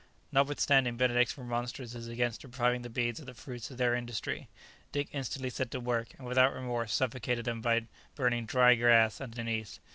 Notwithstanding Benedict's remonstrances against depriving the bees of the fruits of their industry, Dick instantly set to work, and without remorse suffocated them by burning dry grass underneath.